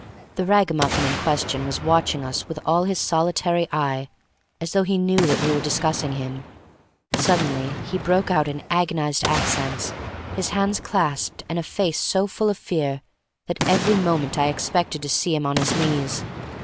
The ragamuffin in question was watching us with all his solitary eye, as though he knew that we were discussing him. Suddenly he broke out in agonized accents, his hands clasped, and a face so full of fear that every moment I expected to see him on his knees.